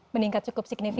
meningkat cukup signifikan pak